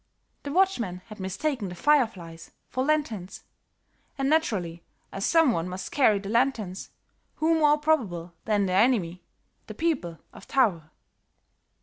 The watchman had mistaken the fireflies for lanterns; and naturally, as some one must carry the lanterns, who more probable than their enemy, the people of Thaur?